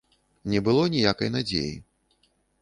Не было ніякай надзеі.